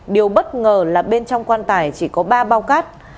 điều bất ngờ là bên trong quan tải chỉ có ba bao cát